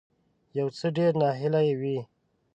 یو څه ډیر ناهیلی وي